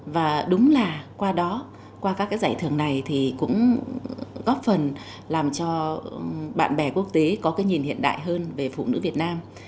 và đúng là qua đó qua các cái giải thưởng này thì cũng góp phần làm cho bạn bè quốc tế có cái nhìn hiện đại hơn về phụ nữ việt nam